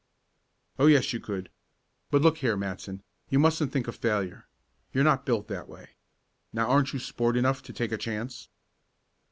"Oh, yes you could. But look here, Matson, you mustn't think of failure. You're not built that way. Now aren't you sport enough to take a chance?"